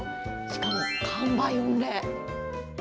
しかも、完売御礼。